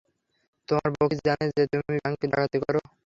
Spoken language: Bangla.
তোমার বউ কি জানে যে তুমি ব্যাংক ডাকাতি করো?